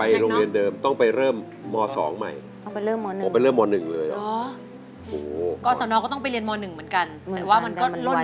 หยุดครับหยุดครับหยุดครับ